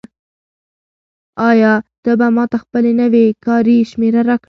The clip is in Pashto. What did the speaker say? آیا ته به ماته خپله نوې کاري شمېره راکړې؟